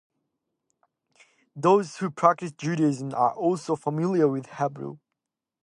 Those who practice Judaism are also familiar with Hebrew.